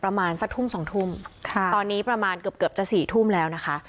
ประมาณสักทุ่มสองทุ่มตอนนี้ประมาณเกือบเกือบจะสี่ทุ่มแล้วนะคะ